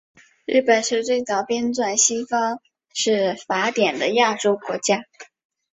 日本是最早编纂西方式法典的亚洲国家。